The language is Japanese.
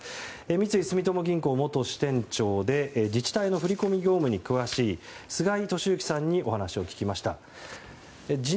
三井住友銀行元支店長で自治体の振り込み業務に詳しい菅井敏之さんにお話を聞きました。